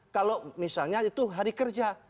kalau misalnya itu hari kerja